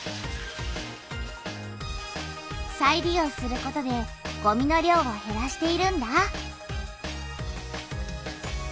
再利用することでごみの量をへらしているんだ。